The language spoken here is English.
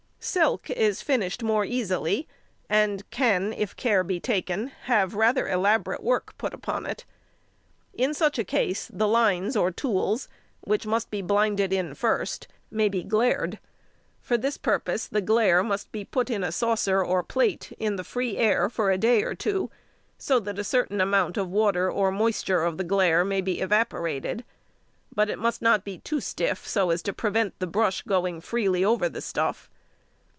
Silk is finished more easily, and can, if care be taken, have rather elaborate work put upon it. In such a case, the lines or tools, which must be blinded in first, may be glaired. For this purpose the glaire must be put in a saucer or plate in the free air for a day or two, so that a certain amount of water or moisture of the glaire may be evaporated; but it must not be too stiff so as to prevent the brush going freely over the stuff.